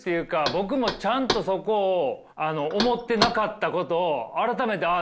僕もちゃんとそこを思ってなかったことを改めてああ